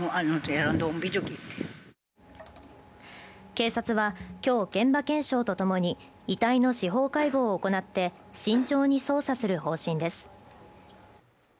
警察は今日現場検証とともに、遺体の司法解剖を行って、慎重に捜査する方針です。